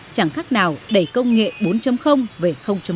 chẳng khác nào đẩy công nghệ bốn về bốn